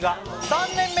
３年目！